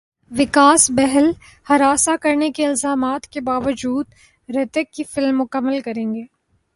وکاس بہل ہراساں کرنے کے الزامات کے باوجود ہریتھک کی فلم مکمل کریں گے